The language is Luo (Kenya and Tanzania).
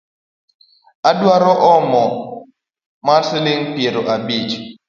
Adwaro omo mar siling’ piero abich